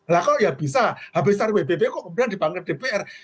lah kok ya bisa habis dari pbb kok kemudian dibangun dpr